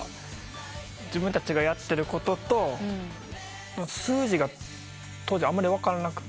自分たちがやってることと数字が当時あんまり分からなくて。